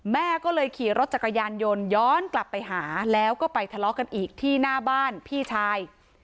แม่ก็เลยขี่รถจักรยานยนต์ย้อนกลับไปหาแล้วก็ไปทะเลาะกันอีกที่หน้าบ้านพี่ชาย